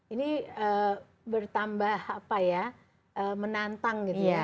ini bertambah apa ya menantang gitu ya